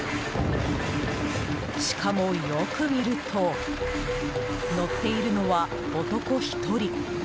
しかもよく見ると乗っているのは男１人。